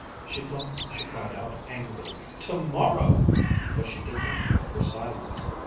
She thought she cried out angrily, "tomorrow!" but she did not break her silence.